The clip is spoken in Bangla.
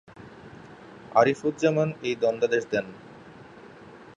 আরিফুজ্জামান এই দণ্ডাদেশ দেন।